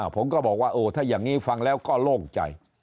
ผมก็บอกว่าเออถ้าอย่างนี้ฟังแล้วก็โล่งใจ